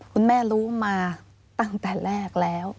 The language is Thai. คุณแม่รู้มาตั้งแต่แรกแล้ว